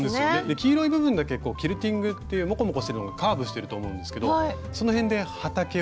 黄色い部分だけキルティングっていうモコモコしてるのがカーブしてると思うんですけどその辺で畑をね